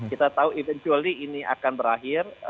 kita tahu eventually ini akan berakhir